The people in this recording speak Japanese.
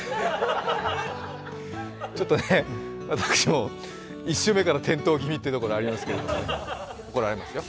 ちょっとね、私も１週目から転倒気味ってるところありますけど、頑張りますよ。